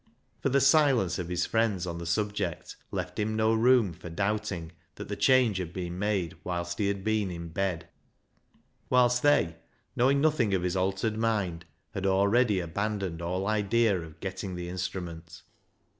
For the silence of his friends on the subject left him no room for doubting that the change had been made whilst he had been in bed. Whilst they, knowing nothing of his altered mind, had already abandoned all idea of getting the instrument.